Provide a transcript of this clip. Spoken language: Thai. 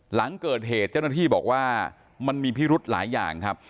หลังเกิดเหตุเจ้าหน้าที่บอกว่ามันมีพิรุธหลายอย่างครับ